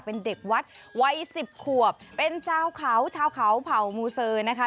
เป็นเด็กวัดวัย๑๐ขวบเป็นเจ้าเขาเจ้าเขาเผ่ามูเซอร์นะคะ